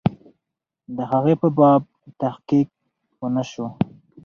د هغې په باب تحقیق ونسو.